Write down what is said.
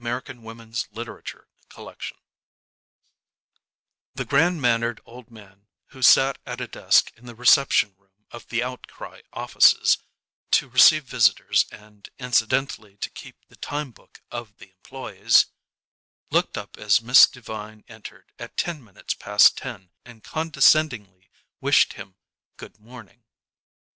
Century, May 1916 Ardessa The grand mannered old man who sat at a desk in the reception room of "The Outcry" offices to receive visitors and incidentally to keep the time book of the employees, looked up as Miss Devine entered at ten minutes past ten and condescendingly wished him good morning.